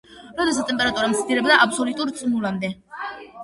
როდესაც ტემპერატურა მცირდება აბსოლიტურ ნულამდე.